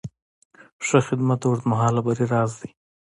ښه خدمت د اوږدمهاله بری راز دی.